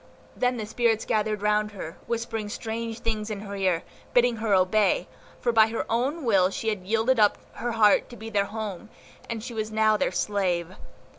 Then the spirits gathered round her, whispering strange things in her ear, bidding her obey, for by her own will she had yielded up her heart to be their home, and she was now their slave.